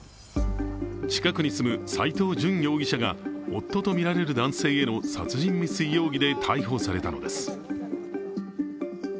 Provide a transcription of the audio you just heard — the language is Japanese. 近くに住む斎藤淳容疑者が夫とみられる男性への殺人未遂容疑で逮捕されたのです。